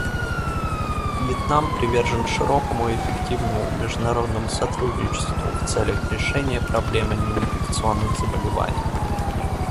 Вьетнам привержен широкому и эффективному международному сотрудничеству в целях решения проблемы неинфекционных заболеваний.